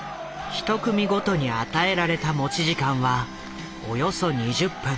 １組ごとに与えられた持ち時間はおよそ２０分。